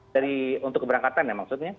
dari untuk keberangkatan ya maksudnya